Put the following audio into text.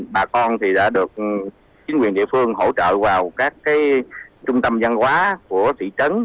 bà con đã được chính quyền địa phương hỗ trợ vào các trung tâm văn hóa của thị trấn